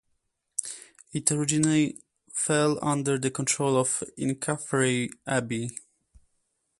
It originally fell under the control of Inchaffray Abbey.